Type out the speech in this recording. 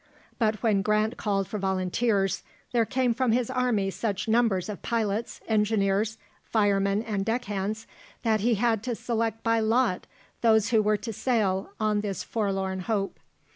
But when Grant called for volunteers, there came from his army such numbers of pilots, engineers, firemen, and deck hands, that he had to select by lot those who were to sail on this forlorn hope.